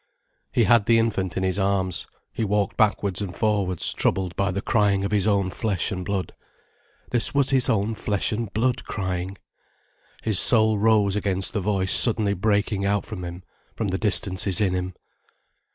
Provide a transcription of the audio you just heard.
He had the infant in his arms, he walked backwards and forwards troubled by the crying of his own flesh and blood. This was his own flesh and blood crying! His soul rose against the voice suddenly breaking out from him, from the distances in him.